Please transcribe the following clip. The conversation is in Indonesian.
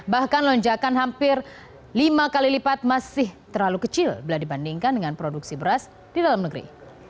bahkan lonjakan hampir lima kali lipat masih terlalu kecil bila dibandingkan dengan produksi beras di dalam negeri